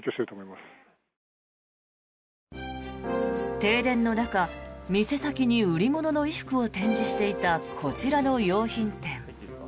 停電の中、店先に売り物の衣服を展示していたこちらの洋品店。